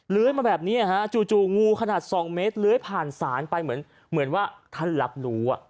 มาแบบนี้จู่งูขนาด๒เมตรเลื้อยผ่านศาลไปเหมือนว่าท่านรับรู้